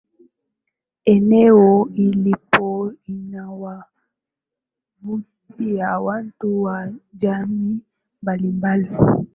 Eneo ilipo inawavutia watu wa jamiii mbalimbali